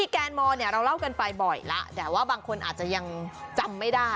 แกนมอร์เนี่ยเราเล่ากันไปบ่อยแล้วแต่ว่าบางคนอาจจะยังจำไม่ได้